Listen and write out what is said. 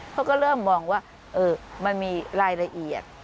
เขาก็เริ่มมองว่ามันมีรายละเอียด